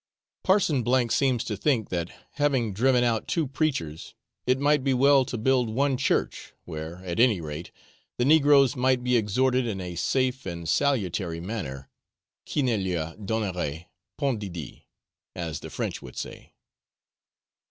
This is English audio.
Parson S seems to think that, having driven out two preachers, it might be well to build one church where, at any rate, the negroes might be exhorted in a safe and salutary manner, 'qui ne leur donnerait point d'idées,' as the French would say.